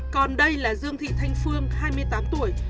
còn đây là dương thị thanh phương hai mươi tám tuổi